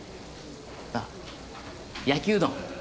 あっ焼きうどん。